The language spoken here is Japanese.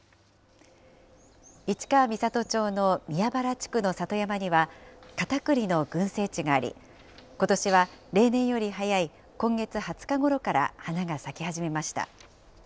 市川三郷町の宮原地区の里山には、カタクリの群生地があり、ことしは例年より早い今月２０日ごろから花が咲き始めました。